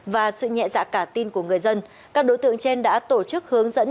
và sự nhẹ dạ cả tin của người dân các đối tượng trên đã tổ chức hướng dẫn